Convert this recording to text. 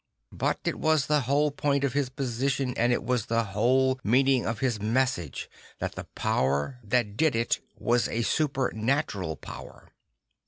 But it was the whole point of his position, and it was the whole mean ing of his message, that the power that did it was a supernatural power.